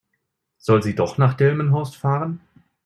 Soll sie doch nach Delmenhorst fahren?